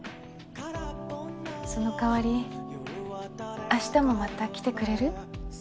その代わり明日もまた来てくれる？